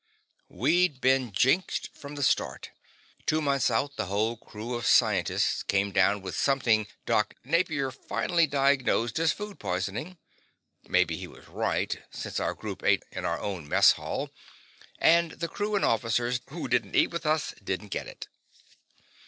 We'd been jinxed from the start. Two months out, the whole crew of scientists came down with something Doc Napier finally diagnosed as food poisoning; maybe he was right, since our group ate in our own mess hall, and the crew and officers who didn't eat with us didn't get it.